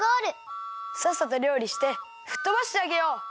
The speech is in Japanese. さっさとりょうりしてふっとばしてあげよう！